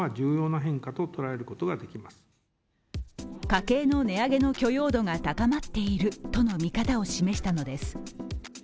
家計の値上げの許容度が高まっているとの見方を示したのです。